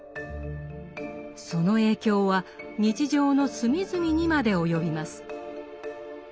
その影響は日常の隅々にまで及びます。